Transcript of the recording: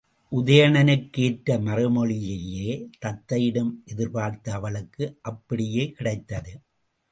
உதயணனுக்கு ஏற்ற மறுமொழியையே தத்தையிடம் எதிர்பார்த்த அவளுக்கு அப்படியே கிடைத்தது.